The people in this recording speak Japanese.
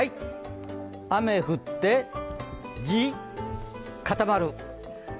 雨降って地固まる。